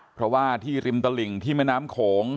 เพราะว่าที่ริมตลิ่งที่แม่น้ำโขง